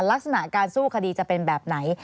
ลักษณะการสู้คดีจะเป็นแบบไหน